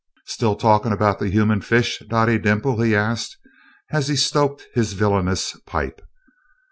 "Still talking about the human fish, Dottie Dimple?" he asked, as he stoked his villainous pipe.